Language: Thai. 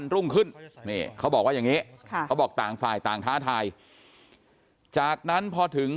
รุ่งขึ้นนี่เขาบอกว่าอย่างนี้เขาบอกต่างฝ่ายต่างท้าทายจากนั้นพอถึง